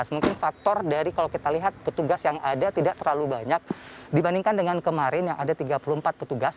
mungkin faktor dari kalau kita lihat petugas yang ada tidak terlalu banyak dibandingkan dengan kemarin yang ada tiga puluh empat petugas